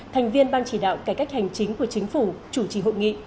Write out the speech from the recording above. thành viên ban chỉ đạo cải cách hành chính của chính phủ chủ trì hội nghị